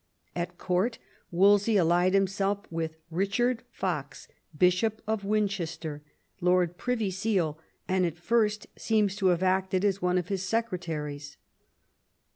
At Court Wolsey allied himself with Eichard Fox, Bishop of Winchester, Lord Privy Seal, and at first seems to have acted as one of his secretaries.